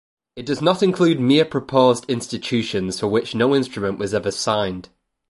It does not include mere proposed institutions for which no instrument was ever signed.